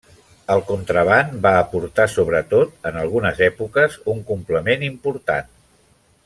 El contraban va aportar, sobretot en algunes èpoques, un complement important.